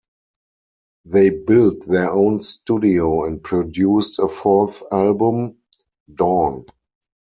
They built their own studio and produced a fourth album, "Dawn".